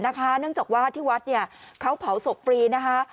เนื่องจากว่าที่วัดเขาเผาศพฟรีนะคะ